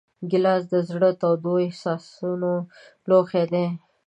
ګیلاس د زړه تودو احساسونو لوښی دی.